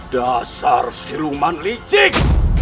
dasar siluman licik